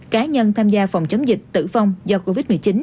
cá nhân tham gia phòng chống dịch tử vong do covid một mươi chín